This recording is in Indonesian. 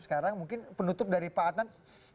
sekarang mungkin penutup dari pak adnan